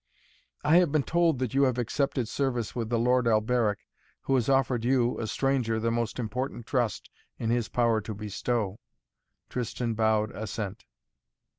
"I have been told that you have accepted service with the Lord Alberic, who has offered to you, a stranger, the most important trust in his power to bestow." Tristan bowed assent.